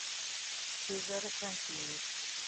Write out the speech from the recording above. Cesare Franchini